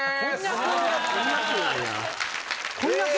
こんにゃく。